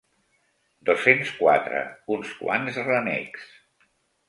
Dos-cents quatre uns quants renecs.